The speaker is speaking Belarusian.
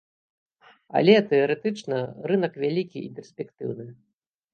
Але тэарэтычна рынак вялікі і перспектыўны.